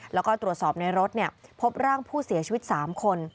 แล้วก็ตรวจสอบในรถพบร่างผู้เสียชีวิต๓คน